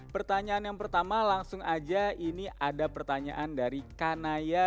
pertanyaan yang pertama langsung aja ini ada pertanyaan dari kanaya